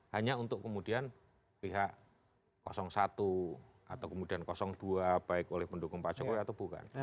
hanya untuk kemudian pihak satu atau kemudian dua baik oleh pendukung pak jokowi atau bukan